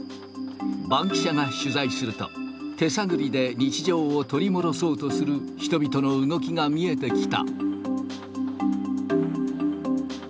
バンキシャが取材すると、手探りで日常を取り戻そうとする人々の動きが見えてきた。